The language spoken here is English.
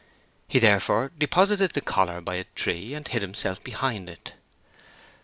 He therefore deposited the collar by a tree, and hid himself behind it.